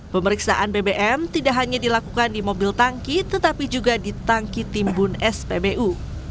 pemeriksaan bbm tidak hanya dilakukan di mobil tangki tetapi juga di tangki timbun spbu